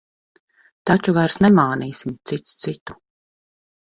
Taču vairs nemānīsim cits citu.